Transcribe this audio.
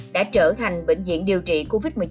đã trở thành bệnh viện điều trị covid một mươi chín